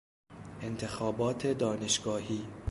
انتخابات دانشگاهی